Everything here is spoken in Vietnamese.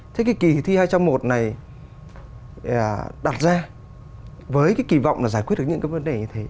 thế kỳ thi hai trong một này đặt ra với kỳ vọng giải quyết được những vấn đề như thế